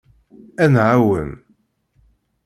Ad nɛawen.